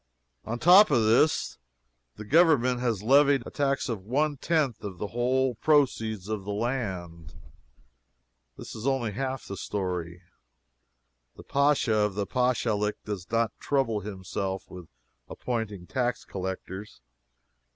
On top of this the Government has levied a tax of one tenth of the whole proceeds of the land. This is only half the story. The Pacha of a Pachalic does not trouble himself with appointing tax collectors.